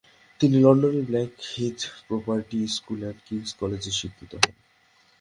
তিনি লন্ডনের Blackheath proprietary school এবং কিংস কলেজে শিক্ষিত হন।